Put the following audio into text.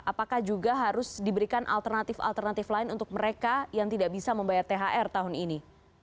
apakah juga harus diberikan alternatif alternatif lain untuk mereka yang tidak bisa membayar thr tahun ini